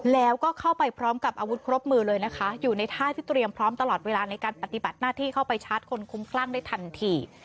แล้วก็เข้าไปพร้อมกับอาวุธครบมือเลยนะคะอยู่ในท่าที่เตรียมพร้อมตลอดเวลาในการปฏิบัติหน้าที่เข้าไปชาร์จคนคุ้มคลั่งได้ทันที